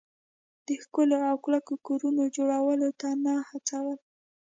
د ښکلو او کلکو کورونو جوړولو ته نه هڅول.